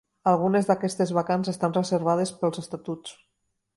Algunes d'aquestes vacants estan reservades pels estatuts.